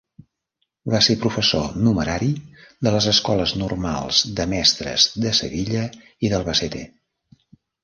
Va ser professor numerari de les Escoles Normals de Mestres de Sevilla i d'Albacete.